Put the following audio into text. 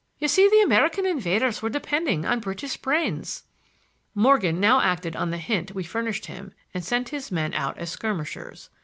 "You see the American invaders were depending on British brains." Morgan now acted on the hint we had furnished him and sent his men out as skirmishers.